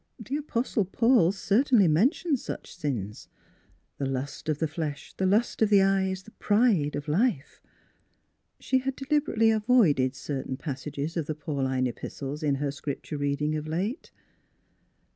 The Apostle Paul certainly men tioned such sins —" the lust of the flesh, the lust of the eyes, the pride of life." She had deliberately avoided certain pas sages of the Pauline Epistles in her Scrip ture reading of late.